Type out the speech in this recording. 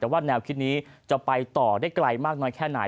แต่ว่าแนวคิดนี้จะไปต่อได้ไกลมากน้อยแค่ไหน